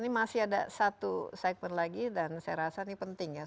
ini masih ada satu segmen lagi dan saya rasa ini penting ya